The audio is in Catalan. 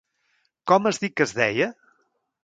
Com has dit que es deia?